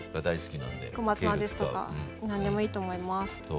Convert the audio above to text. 小松菜ですとか何でもいいと思います。